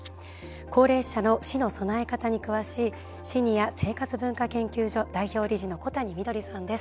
高齢者の死の備え方に詳しいシニア生活文化研究所代表理事の小谷みどりさんです。